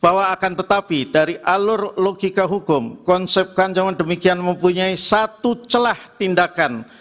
bahwa akan tetapi dari alur logika hukum konsep kanjaman demikian mempunyai satu celah tindakan